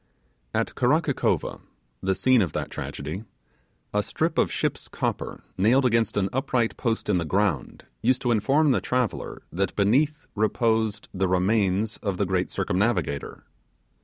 At Kealakekau, the scene of that tragedy, a strip of ship's copper nailed against an upright post in the ground used to inform the traveller that beneath reposed the 'remains' of the great circumnavigator.